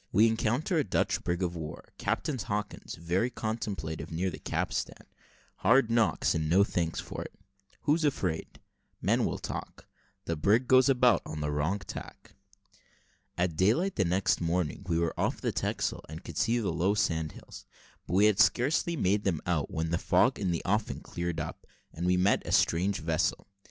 WE ENCOUNTER A DUTCH BRIG OF WAR CAPTAIN HAWKINS VERY CONTEMPLATIVE NEAR THE CAPSTAN HARD KNOCKS, AND NO THANKS FOR IT WHO'S AFRAID? MEN WILL TALK THE BRIG GOES ABOUT ON THE WRONG TACK. At daylight the next morning we were off the Texel, and could see the low sand hills: but we had scarcely made them out, when the fog in the offing cleared up, and we made a strange vessel.